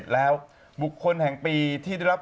แล้วบุคคลแห่งปีที่ได้รับ